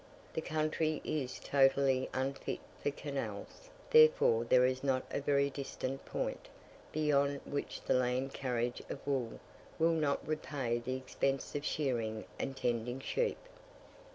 The country is totally unfit for canals, therefore there is a not very distant point, beyond which the land carriage of wool will not repay the expense of shearing and tending sheep.